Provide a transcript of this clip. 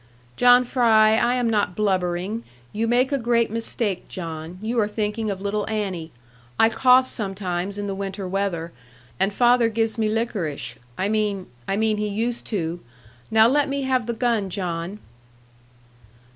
'John Fry, I am not blubbering; you make a great mistake, John. You are thinking of little Annie. I cough sometimes in the winter weather, and father gives me lickerish I mean I mean he used to. Now let me have the gun, John.'